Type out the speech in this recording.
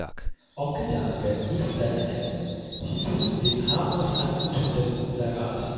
Onkel Dagobert grüßt seinen Neffen, hieß es in dem harmlos anmutenden Inserat.